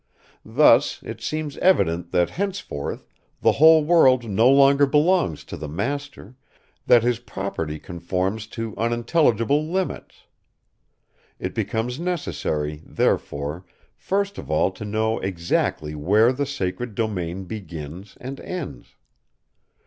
Thus, it seems evident that henceforth the whole world no longer belongs to the master, that his property conforms to unintelligible limits.... It becomes necessary, therefore, first of all to know exactly where the sacred domain begins and ends.